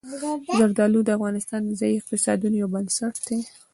زردالو د افغانستان د ځایي اقتصادونو یو بنسټ دی.